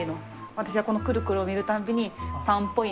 私はこのくるくるを見るたんびに、確かに。